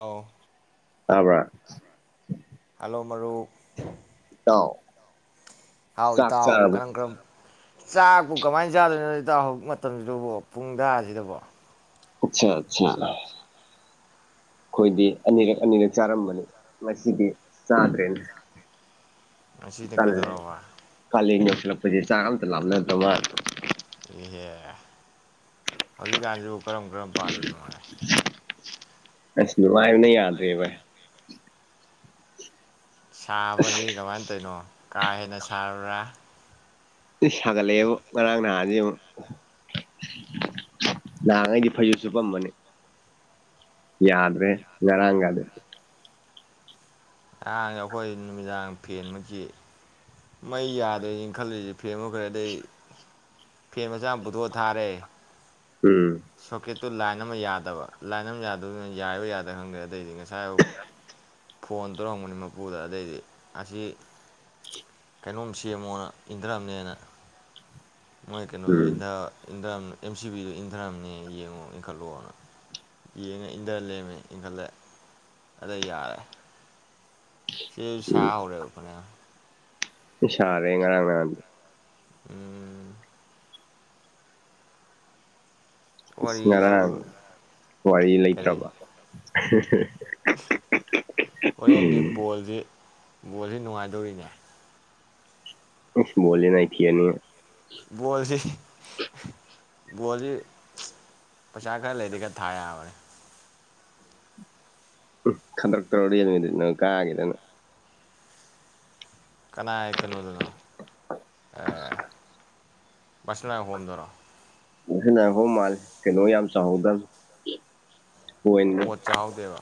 ꯑꯥꯎ ꯇꯥꯕꯔ ꯑꯜꯂꯨ ꯃꯔꯨ ꯏꯇꯥꯎ ꯍꯥꯎ ꯆꯥꯛ ꯏꯇꯥꯎ ꯆꯥꯔꯕꯣ ꯀꯔꯝ ꯀꯔꯝꯕ ꯆꯥꯛꯄꯨ ꯀꯃꯥꯏꯅ ꯆꯥꯗꯣꯏꯅꯣ ꯇ ꯍꯧꯖꯤꯛ ꯃꯇꯝꯁꯤꯗꯕꯣ ꯄꯨꯡ ꯇꯔꯥꯁꯤꯗꯕꯣ ꯑꯠꯆꯥ ꯑꯠꯆꯥ ꯑꯩꯈꯣꯏꯗꯤ ꯑꯅꯤꯔꯛ ꯑꯅꯤꯔꯛ ꯆꯥꯔꯝꯕꯅꯤ ꯃꯁꯗꯤ ꯆꯗ꯭ꯔꯦꯅ ꯑꯁꯤꯗꯤ ꯀꯩꯗꯧꯔꯕ ꯀꯥꯂꯦꯟ ꯌꯧꯁꯤꯜꯂꯛꯄꯁꯦ ꯆꯥꯛ ꯑꯝꯇ ꯂꯥꯞꯅꯗꯕ ꯃꯥ ꯏꯍꯦ ꯍꯧꯖꯤꯛꯀꯥꯟꯁꯤ ꯀꯔꯝ ꯀꯔꯝ ꯄꯥꯜꯂꯤꯕꯅꯣꯅꯦ ꯑꯁ ꯂꯥꯏꯕꯅ ꯌꯥꯗ꯭ꯔꯦꯕ ꯁꯥꯕꯁꯤ ꯀꯃꯥꯏꯅ ꯇꯧꯔꯤꯅꯣ ꯀꯥ ꯍꯦꯟꯅ ꯁꯥ꯭ꯔꯥ ꯁꯥꯒꯠꯂꯛꯑꯦꯕꯕꯨ ꯉꯔꯥꯡ ꯅꯍꯥꯟꯁꯤ ꯑꯃꯨꯛ ꯅꯍꯥꯟꯉꯩꯗꯤ ꯐꯩꯁꯨꯁꯨ ꯄꯝꯕꯅꯦ ꯌꯥꯗ꯭ꯔꯦ ꯉꯔꯒꯗꯦ ꯑꯍꯥꯡꯁꯦ ꯑꯩꯈꯣꯏ ꯅꯨꯃꯤꯗꯥꯡ ꯐꯦꯟꯃꯨꯛꯀꯤ ꯃꯩ ꯌꯥꯗꯣꯏꯅꯤ ꯈꯜꯂꯤꯁꯦ ꯐꯦꯟꯃꯈ꯭ꯔꯦ ꯑꯗꯩ ꯐꯦꯟ ꯃꯆꯥ ꯑꯃ ꯄꯨꯊꯣꯛꯑ ꯊꯥꯔꯦ ꯎꯝ ꯁꯣꯀꯦꯠꯇꯨ ꯂꯥꯏꯟ ꯑꯃ ꯌꯥꯗꯕ ꯂꯥꯏꯟ ꯑꯃ ꯌꯥꯗꯕꯅ ꯌꯥꯏꯔꯣꯏ ꯌꯥꯗ꯭ꯔ ꯈꯪꯗ꯭ꯔꯦ ꯑꯗꯩꯗꯤ ꯉꯁꯤ ꯉꯁꯥꯏ ꯐꯣꯟ ꯇꯧꯔꯝꯕꯅꯤ ꯃꯄꯨꯗ ꯑꯗꯩꯗꯤ ꯑꯁꯤ ꯀꯩꯅꯣꯝ ꯁꯦꯝꯃꯣꯅ ꯏꯟꯗ꯭ꯔꯝꯅꯦꯅ ꯃꯣꯏ ꯀꯩꯅꯣꯗꯨꯟ ꯎꯝ ꯏꯟꯗ꯭ꯔꯝ ꯑꯦꯝ ꯁꯤ ꯕꯤꯗꯣ ꯏꯟꯊꯔꯝꯅꯦ ꯌꯦꯡꯉꯣ ꯏꯟꯈꯠꯂꯛꯅ ꯌꯦꯡꯉ ꯏꯟꯊꯔ ꯂꯦꯝꯃꯦ ꯏꯟꯈꯠꯂꯦ ꯑꯗ ꯌꯥꯔꯦ ꯁꯤ ꯁ ꯎꯝ ꯑꯣꯏꯔꯦꯈ ꯁꯥꯔꯦ ꯉꯔꯥꯡ ꯅꯍꯗꯤ ꯎꯝ ꯋꯥꯔꯤꯁꯤꯕꯨ ꯁꯃꯔꯅ ꯋꯥꯔꯤ ꯀꯔꯤ ꯂꯩꯇ꯭ꯔꯕ ꯍꯣꯔꯦꯟꯗꯤ ꯕꯣꯜꯁꯤ ꯕꯣꯜꯁꯤ ꯅꯨꯡꯉꯥꯏꯗꯧꯔꯤꯅꯦ ꯕꯨꯣꯂꯦꯅ ꯑꯩ ꯄꯤꯅꯤ ꯣꯜꯁꯤ ꯕꯣꯁꯤ ꯄꯩꯁꯥ ꯈꯔ ꯂꯩꯔꯤ ꯈꯔ ꯊꯥ ꯌꯥꯕꯅꯤ ꯎ ꯈꯟꯗ꯭ꯔꯛꯇ ꯇꯔꯣ ꯌꯦ ꯑꯗꯨꯉꯣꯏ ꯅ ꯀꯥꯒꯗꯅꯣ ꯀꯅꯥ ꯍꯥꯏ ꯀꯩꯅꯣ ꯑꯗꯨꯅꯣ ꯁꯅ ꯍꯣꯝꯗꯣꯏꯔꯣ ꯅꯈꯣꯡ ꯃꯥꯜꯂꯦ ꯀꯩꯅꯣ ꯌꯥꯝ ꯆꯥꯎꯍꯧꯗꯕ ꯑꯣꯣꯠ ꯆꯥꯍꯥꯎꯗꯦꯕ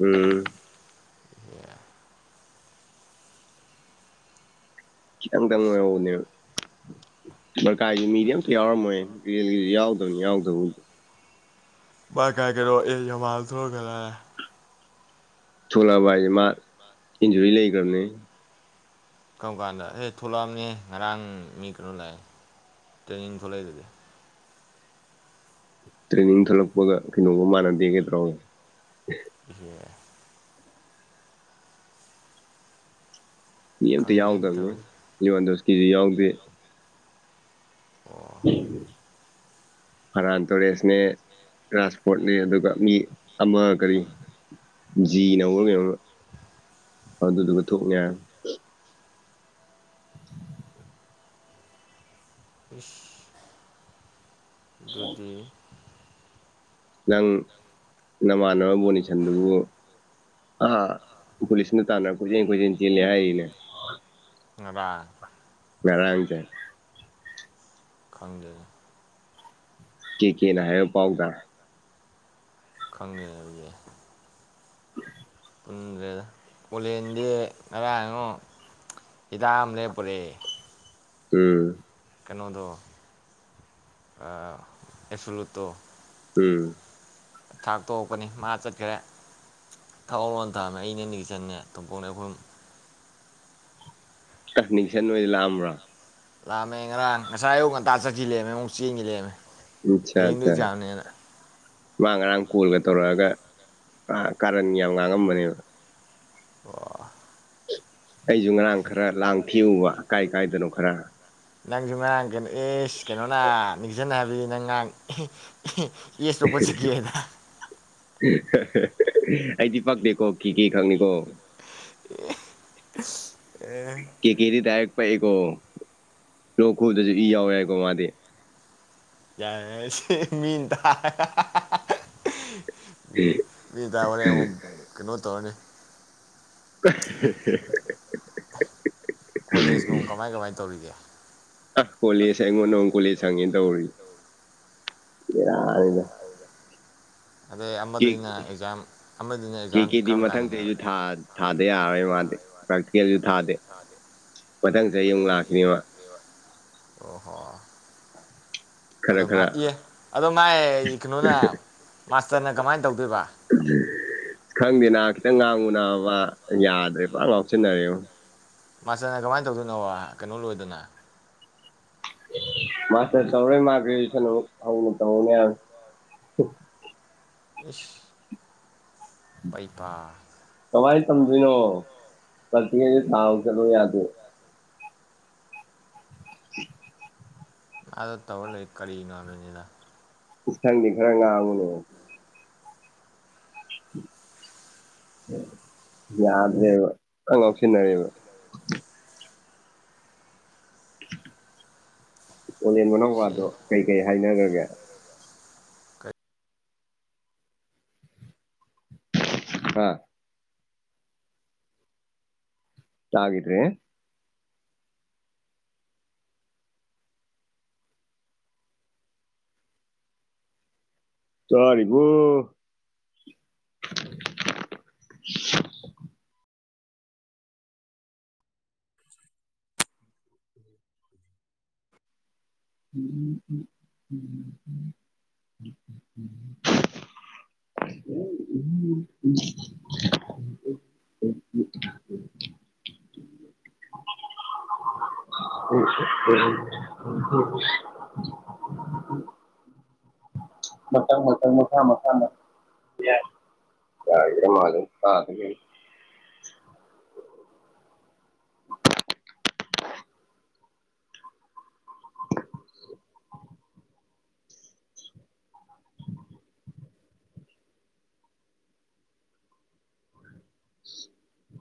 ꯎꯝ ꯏ ꯆꯪ ꯇꯪꯅꯦꯔ ꯀꯥꯏ ꯃꯤꯗꯤꯝ ꯇ ꯌꯥꯎꯔ ꯃꯣꯏ ꯒꯤꯁꯤ ꯌꯥꯎꯗꯕꯅꯤ ꯌꯥꯎꯗꯕ ꯀꯥꯏꯒꯔꯣ ꯑꯩ ꯃꯜ ꯊꯒꯒ ꯊꯣꯂꯛꯑꯕ ꯍꯥꯏꯁꯦ ꯃꯥ ꯏꯟꯖꯔꯤ ꯂꯩꯈ꯭ꯔꯕꯅꯤ ꯀꯔꯝ ꯀꯥꯟꯗ ꯑꯦ ꯊꯣꯛꯂꯛꯑꯝꯅꯦ ꯉꯔꯥꯡ ꯃꯤ ꯀꯩꯅꯣ ꯂꯥꯛꯑꯦ ꯇ꯭ꯔꯦꯅꯤꯡ ꯊꯣꯛꯂꯛꯏꯗꯨꯗꯤ ꯇ꯭ꯔꯦꯅꯤꯡ ꯊꯂꯛꯄꯒ ꯀꯩꯅꯣꯒ ꯃꯥꯟꯅꯗꯦꯒꯩꯗ꯭ꯔꯥꯒ ꯏ ꯃꯤ ꯑꯝꯇ ꯈꯪꯗꯦꯅꯦ ꯌꯥꯎꯗꯕꯅꯤ ꯇꯧꯔꯤ ꯋꯥꯣꯟꯗꯣꯁꯀꯤꯁꯨ ꯌꯥꯎꯗꯦ ꯑꯣ ꯎꯝ ꯍꯔꯥꯟ ꯇꯣꯔꯦꯁꯅꯦ ꯔꯥꯥꯁ ꯐꯣꯔꯠꯅꯦ ꯑꯗꯨꯒ ꯃꯤ ꯑꯃ ꯀꯔꯤ ꯖꯤ ꯅꯧꯔꯒꯧꯔ ꯑꯗꯨꯗꯨꯒ ꯊꯣꯛꯅꯤ [inaudible] ꯏꯁ ꯑꯗꯨꯗꯤ ꯅꯪ ꯅꯃꯥꯟꯅꯕ ꯕꯣꯅꯤꯁꯟꯗꯨꯕꯨ ꯑ ꯄꯨꯂꯤꯁ ꯅ ꯇꯥꯟꯅ ꯀ ꯀ ꯆ ꯂꯍꯅꯦ ꯊꯕ ꯉꯔꯥꯡꯖ ꯈꯪꯖꯔꯦ ꯀ ꯀꯅ ꯍꯥꯏꯌꯦ ꯄꯥꯎꯗ ꯈꯪꯗꯅ ꯂꯩ ꯌꯥꯦ [inaudible] ꯄꯨꯟꯗ꯭ꯔꯦꯗ ꯀꯣꯂꯦꯟꯗꯤ ꯉꯔꯥꯡꯉꯣ ꯍꯤꯗꯥꯛ ꯑꯃ ꯂꯦꯞ ꯄꯨꯔꯛꯑꯦ ꯎꯝ ꯀꯩꯅꯣꯗꯣ ꯑꯥ ꯑꯦꯞꯁꯨꯂꯨꯠꯇꯣ ꯎꯝ ꯊꯥꯛ ꯇꯣꯛꯄꯅꯤ ꯃꯥ ꯆꯠꯈ꯭ꯔꯦ ꯊꯛꯑꯣꯅ ꯊꯃꯝꯃꯦ ꯑꯩꯅꯦ ꯅꯤꯒꯤꯆꯟꯅꯦ ꯇꯣꯝꯄꯣꯛꯅꯦ ꯑꯩꯈꯣꯍꯨꯝ ꯅꯤꯛꯀꯤꯁꯟ ꯑꯣꯏꯗꯤ ꯂꯥꯛꯑꯝꯕ꯭ꯔꯥ ꯂꯥꯛꯑꯃꯦ ꯉꯔꯥꯡ ꯉꯁꯥꯏ ꯑꯌꯨꯛ ꯉꯟꯇꯥ ꯆꯠꯈꯤ ꯂꯩꯃꯦ ꯑꯃꯨꯛ ꯆꯦꯟꯒꯤ ꯂꯩꯔꯝꯃꯦ ꯍꯌꯦꯡꯗꯣ ꯑꯦꯛꯖꯥꯝꯅꯦꯅ [unintelligible] ꯃꯥ ꯉꯔꯥꯡ ꯀꯣꯜꯒ ꯇꯧꯔꯛꯑꯒ ꯑ ꯀꯥꯔꯟ ꯌꯥꯝ ꯉꯥꯡꯉꯝꯕꯅꯦꯕ ꯑꯣ ꯑꯩꯁꯨ ꯉꯔꯥꯡ ꯈꯔ ꯂꯥꯡ ꯊꯦꯛꯎꯕ ꯀꯥꯏ ꯀꯥꯏꯗꯅꯣ ꯈꯔ ꯅꯪꯖꯨ ꯉꯔꯥꯡ ꯑꯦꯁ ꯀꯩꯅꯣꯅ ꯅꯤꯀꯤꯁꯟꯅ ꯍꯥꯏꯕꯗꯤ ꯅꯪ ꯉꯔꯥꯡ [unintelligible] [unintelligible] ꯆꯠꯈꯤ ꯍꯥꯏꯗ [unintelligible] ꯑꯩꯗꯤ ꯄꯛꯇꯦꯀꯣ ꯀꯦ ꯀꯦ ꯈꯪꯅꯤꯀꯣ [unintelligible] ꯀꯦ ꯀꯦꯗꯤ ꯗꯥꯏꯔꯦꯛ ꯄꯛꯏꯀꯣ ꯂꯣꯛ ꯈꯨꯕꯗꯁꯨ ꯏ ꯌꯥꯎꯋꯦꯏꯀꯣ ꯃꯥꯗꯤ [unintelligible] ꯃꯤ ꯇꯥꯔꯒ [unintelligible] ꯃꯤ ꯃꯤ ꯇꯥꯕꯅꯦ ꯑꯃꯨꯛ ꯀꯩꯅꯣ ꯇꯧꯔꯅꯤ [inaudible] ꯀꯣꯂꯦꯖ ꯅꯨꯡ ꯀꯃꯥꯏ ꯀꯃꯥꯏ ꯇꯧꯔꯤꯒꯦ ꯑ ꯀꯣꯂꯦꯖ ꯑꯩꯉꯣꯟꯗ ꯑꯃꯨꯛ ꯀꯣꯂꯦꯖ ꯍꯪꯉꯤꯅꯦ ꯇꯧꯔꯤꯁꯦ ꯕꯦꯔꯥꯅꯤꯗ [unintelligible] ꯑꯗꯩ [inaudible] ꯀꯦꯛ ꯑꯃꯗꯨꯅ ꯑꯦꯛꯖꯥꯝ ꯑꯃꯗꯨꯅ ꯑꯦꯛꯖꯥꯝ ꯀꯦꯀꯦꯗꯤ ꯀꯔꯝ ꯀꯥꯟꯗꯅꯦꯕ ꯃꯊꯪꯗꯩꯁꯨ ꯊꯥ ꯊꯥꯗ ꯌꯥꯔꯣꯏ ꯃꯥꯗꯤ [unintelligible] ꯄ꯭ꯔꯛꯇꯤꯀꯦꯜꯁꯨ ꯊꯥꯗꯦ ꯃꯊꯪ ꯆꯍꯤ ꯑꯃꯨꯛ ꯂꯥꯛꯈꯤꯅꯤꯕ ꯑꯣ ꯍꯣ ꯈꯔ ꯑꯗꯣ ꯃꯥ ꯈꯔ ꯑꯦ ꯑꯗꯣ ꯃꯥꯥꯏ ꯀꯩꯅꯣꯅ ꯃꯥꯁꯇꯔꯅ ꯀꯃꯥꯏ ꯇꯧꯗꯣꯏꯕ ꯈꯪꯗꯦꯅ ꯈꯤꯇꯪ ꯉꯥꯡꯉꯨ ꯅꯥꯕ ꯌꯥꯗ꯭ꯔꯦ ꯐꯖꯟ ꯉꯥꯎꯁꯤꯟꯅꯔꯦꯑꯣ ꯃꯥꯁꯇ꯭ꯔꯅ ꯀꯃꯥꯏ ꯇꯧꯗꯣꯏꯅꯣꯕ ꯀꯩꯅꯣ ꯂꯣꯏꯗꯅ ꯃꯥꯁꯇꯔ ꯇꯧꯔꯣꯏ ꯃꯥ ꯒ꯭ꯔꯦꯖꯨꯌꯦꯁꯟ ꯑꯃꯨꯛ ꯅꯧꯅ ꯇꯧꯅꯤ ꯍꯥꯏꯕꯅꯦ ꯏꯁ ꯄꯩꯄꯥ ꯀꯃꯥꯏ ꯇꯝꯗꯣꯏꯅꯣ ꯄꯔꯛꯇꯤꯀꯜꯖꯨ ꯊꯥꯎ ꯆꯠꯂꯣ ꯌꯥꯗꯦ ꯑꯗꯣ ꯇꯧꯔ ꯂꯩ ꯀꯔꯤꯅꯣ ꯍꯥꯏꯕꯅꯤꯗ ꯈꯪꯗꯦ ꯈꯔꯥ ꯉꯡꯑꯣꯅꯦ ꯌꯥꯗ꯭ꯔꯦꯕ ꯐꯖꯟ ꯉꯥꯎꯁꯤꯟꯅꯔꯦꯕ ꯑꯣꯂꯦꯟ ꯁꯤ ꯃꯅꯥꯎꯄꯥꯗꯣ ꯀꯩ ꯀꯩ ꯍꯥꯏꯅꯈ꯭ꯔꯒꯦ ꯀꯩ [unintelligible] ꯇꯥꯒꯤꯗ꯭ꯔꯦ ꯇꯔꯤꯕꯣ [unintelligible] [inaudible] [inaudible] [inaudible] [inaudible] [inaudible] ꯃꯊꯪ ꯃꯊꯪ [inaudible] ꯌꯥꯒꯤꯗ꯭ꯔꯥ ꯃꯜꯂꯦ ꯇꯥꯗꯦ [inaudible]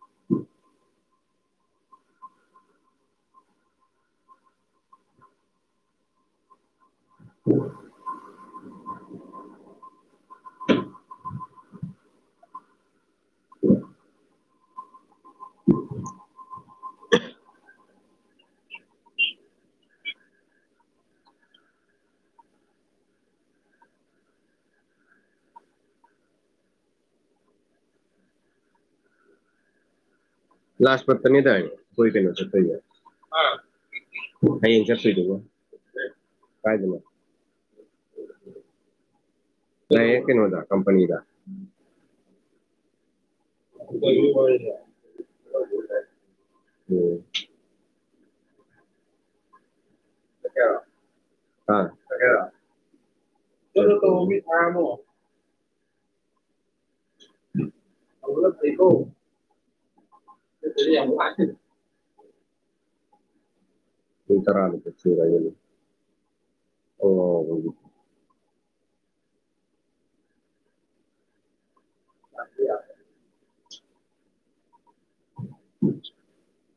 [inaudible] [inaudible] [inaudible] [inaudible] [unintelligible] ꯍꯥꯏꯌꯦꯡ ꯆꯠꯇꯣꯏꯗꯨꯕꯨ ꯀꯥꯏꯗꯅꯣ ꯂꯩꯑꯦ ꯀꯩꯅꯣꯗ ꯀꯝꯄꯅꯤꯗ [inaudible] [unintelligible] ꯆꯠꯀꯦꯍꯥꯏꯔꯣ ꯍꯥ ꯆꯠꯀꯍꯥꯏꯔꯣ ꯆꯠꯅꯕ ꯇꯧ ꯃꯤ [inaudible] ꯍꯧꯒꯠꯂꯛꯇ꯭ꯔꯤꯕꯣ [unintelligible] [inaudible] [inaudible] [inaudible]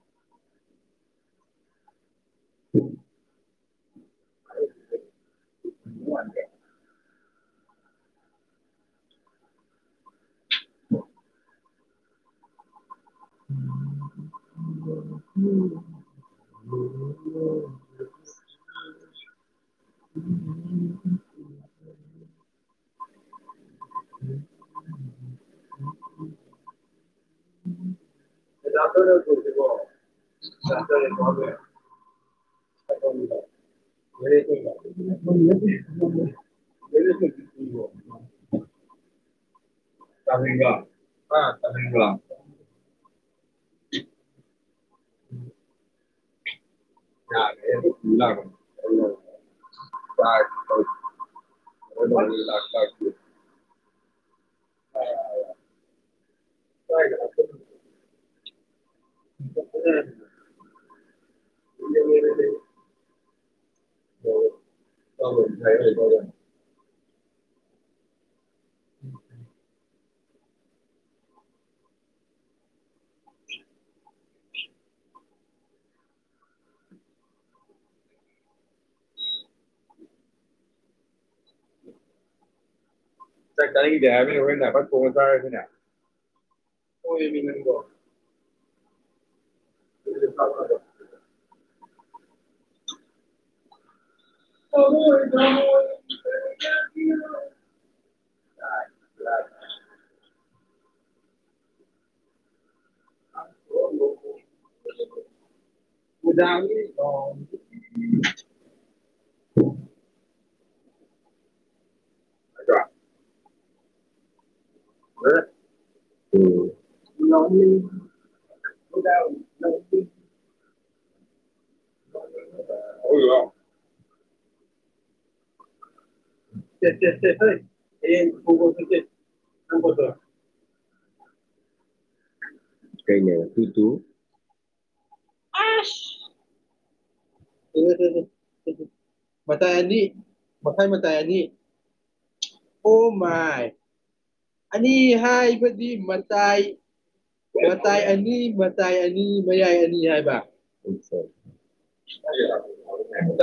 [inaudible] [inaudible] [inaudible] [inaudible] [inaudible] [unintelligible] [inaudible] [inaudible] [unintelligible] [unintelligible] ꯇꯕꯤꯕ ꯑꯗꯨ ꯑꯦ ꯏ ꯆ ꯂ [inaudible] ꯇꯣꯏ ꯍꯥꯏ ꯀꯦ ꯎꯝ ꯇꯥꯔꯤꯗꯤꯔ ꯑꯩꯈꯣꯏ ꯅꯅꯥꯐꯠ ꯄꯣ ꯆꯔꯁꯤꯅꯦꯣꯏꯃꯤ ꯅꯀꯣ ꯏ ꯐꯔꯦ ꯍꯍ ꯑ ꯄꯨꯖꯥ ꯑ ꯑꯗꯥ ꯑ [inaudible] ꯍ ꯦꯦ ꯍꯦ ꯀꯪꯊ ꯀꯩꯅꯦ ꯇꯨ ꯇꯨ ꯑ ꯃꯇꯥꯏ ꯑꯅꯤ ꯃꯈꯥꯏ ꯃꯇꯥꯏ ꯑꯅꯤ ꯑꯣ ꯃꯥꯏ ꯑꯅꯤ ꯍꯥꯏꯕꯗꯤ ꯃꯇꯥꯏ ꯃꯇꯥꯏ ꯑꯅꯤ ꯃꯇꯥꯏ ꯑꯅꯤ ꯃꯌꯥꯏ ꯑꯅꯤ ꯍꯥꯏꯕ ꯑꯗꯨ